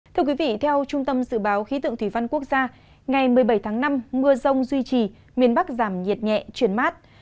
theo trung tâm dự báo khí tượng thủy văn quốc gia ngày một mươi bảy tháng năm mưa rông duy trì miền bắc giảm nhiệt nhẹ chuyển mát